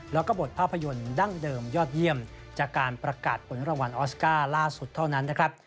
แล้วก็บทภาพยนตร์ดั้งเดิมยอดเยี่ยมจากการประกาศผลรางวัลออสการ์ล่าสุดเท่านั้นนะครับ